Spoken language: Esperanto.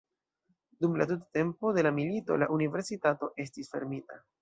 Dum la tuta tempo de la milito la universitato estis fermita.